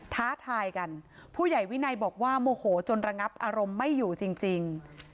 ท้าทายกันผู้ใหญ่วินัยบอกว่าโมโหจนระงับอารมณ์ไม่อยู่จริง